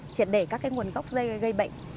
triệt để các cái nguồn gốc gây bệnh